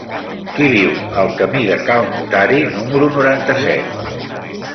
Qui viu al camí de Cal Notari número noranta-set?